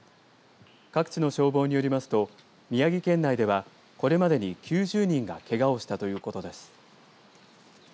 各地の消防によりますと宮城県内では、これまでに９０人がけがをしたということです。